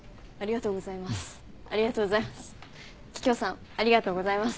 桔梗さんありがとうございます。